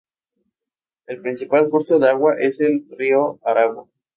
El principal curso de agua es el río Aragua.